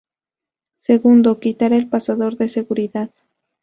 Segundo, quitar el pasador de seguridad.